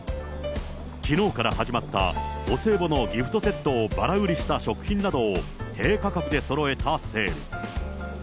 きのうから始まったお歳暮のギフトセットをばら売りした食品などを低価格でそろえたセール。